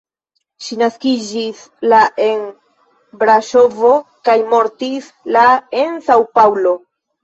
Ŝi naskiĝis la en Braŝovo kaj mortis la en San-Paŭlo.